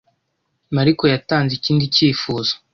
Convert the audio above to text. Mariko yatanze ikindi cyifuzo.